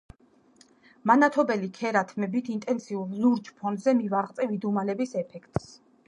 მანათობელი ქერა თმებით ინტენსიურ ლურჯ ფონზე მივაღწევ იდუმალების ეფექტს